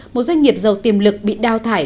một doanh nghiệp giàu tiềm lực bị đào thải